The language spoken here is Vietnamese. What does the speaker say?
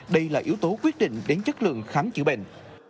đây là yếu tố quyết định đến chất lượng khám chữa bệnh